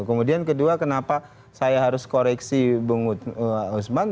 kemudian kedua kenapa saya harus koreksi bung usman